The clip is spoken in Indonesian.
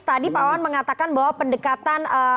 tadi pak wawan mengatakan bahwa pendekatan